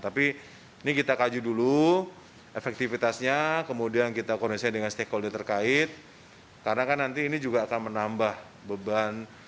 tapi ini kita kaji dulu efektivitasnya kemudian kita koneksi dengan stakeholder terkait karena kan nanti ini juga akan menambah beban